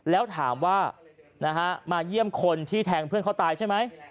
แล้วถามว่ามาเยี่ยมคนที่แทงเพื่อนเขาตายใช่ไหม